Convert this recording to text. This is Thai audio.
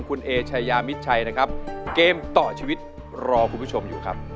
คุณเอชายามิดชัยนะครับเกมต่อชีวิตรอคุณผู้ชมอยู่ครับ